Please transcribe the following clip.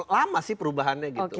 lama sih perubahannya gitu